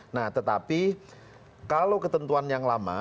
nah tetapi kalau ketentuan yang lama